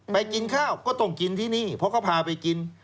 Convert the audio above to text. กินข้าวก็ต้องกินที่นี่เพราะเขาพาไปกิน